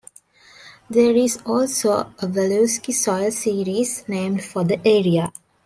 There is also a Walluski soil series named for the area.